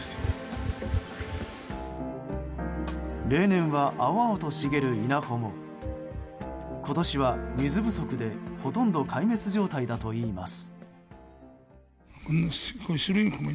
例年は青々と茂る稲穂も今年は水不足でほとんど壊滅状態だといいます。